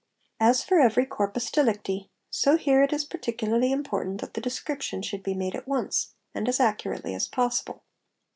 — As for every corpus delicti, so here it 1s particularly important that —| the description should be made at once, and as accurately as possible.